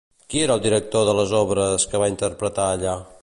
Qui era el director de les obres que va interpretar allà?